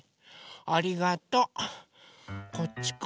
ありがとう。こっちか。